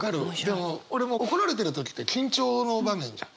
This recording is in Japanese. でも俺も怒られてる時って緊張の場面じゃん。